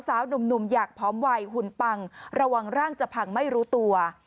หนุ่มอยากพร้อมวัยหุ่นปังระวังร่างจะพังไม่รู้ตัว